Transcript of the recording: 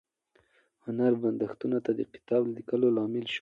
هنري بندښتونه د کتاب د لیکلو لامل شول.